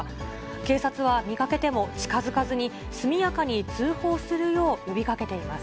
警察は、見かけても近づかずに、速やかに通報するよう呼びかけています。